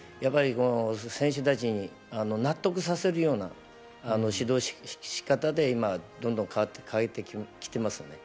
選手たちに納得させるような指導の仕方でどんどん変えてきていますね。